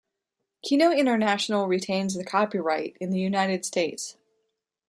Kino International retains the copyright in the United States.